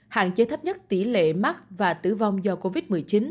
hạn chế thấp nhất tỷ lệ mắc và tử vong do covid một mươi chín